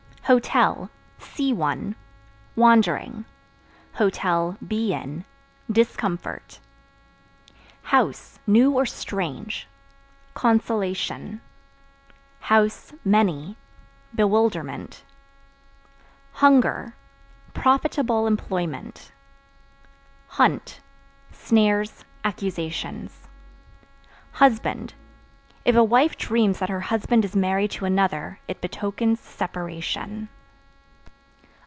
Hotel (See one) wandering; (be in) discomfort. House (New or strange) consolation; (many) bewilderment. Hunger Profitable employment. Hunt Snares, accusations. Husband If a wife dreams that her husband is married to another it betokens separation.